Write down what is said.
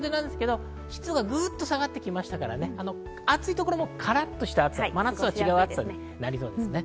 湿度がぐっと下がってきましたから、暑いところもカラッとした暑さ、真夏とは違う暑さですね。